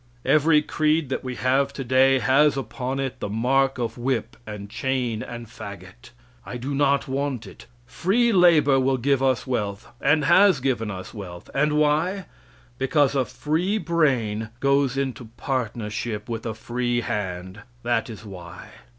Every creed that we have today has upon it the mark of whip and chain and fagot. I do not want it. Free labor will give us wealth, and has given us wealth, and why? Because a free brain goes into partnership with a free hand. That is why.